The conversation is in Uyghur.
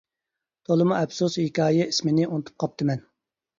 تولىمۇ ئەپسۇس ھېكايە ئىسمىنى ئۇنتۇپ قاپتىمەن.